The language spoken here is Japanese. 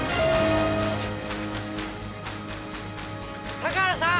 高原さん！